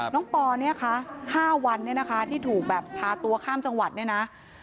ปอเนี่ยคะ๕วันเนี่ยนะคะที่ถูกแบบพาตัวข้ามจังหวัดเนี่ยนะ